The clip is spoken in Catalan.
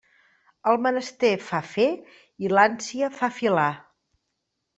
El menester fa fer i l'ànsia fa filar.